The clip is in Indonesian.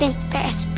aku mau masuk